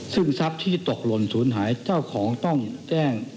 ซึ่งทรัพย์ที่ตกหล่นศูนย์หายเจ้าของต้องแจ้ง